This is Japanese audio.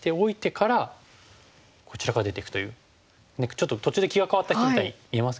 ちょっと途中で気が変わった人みたいに見えますけども。